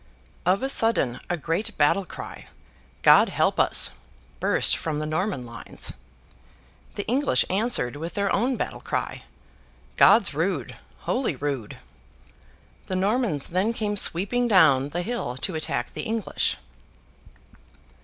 Of a sudden, a great battle cry, 'God help us!' burst from the Norman lines. The English answered with their own battle cry, 'God's Rood! Holy Rood!' The Normans then came sweeping down the hill to attack the English.